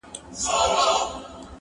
پیدا کړی چي خدای تاج او سلطنت دی!!